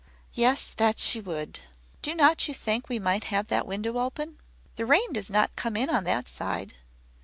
"Yes; that she would. Do not you think we might have that window open? The rain does not come in on that side.